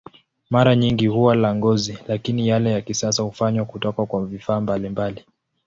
Mara nyingi huwa la ngozi, lakini yale ya kisasa hufanywa kutoka kwa vifaa mbalimbali.